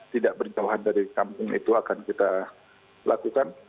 tidak berjauhan dari kampung itu akan kita lakukan